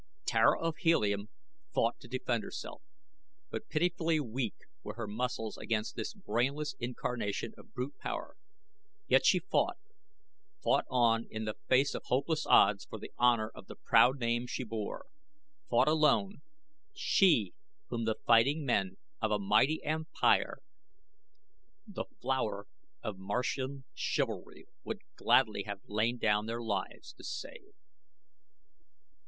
Tara of Helium fought to defend herself, but pitifully weak were her muscles against this brainless incarnation of brute power. Yet she fought, fought on in the face of hopeless odds for the honor of the proud name she bore fought alone, she whom the fighting men of a mighty empire, the flower of Martian chivalry, would gladly have lain down their lives to save.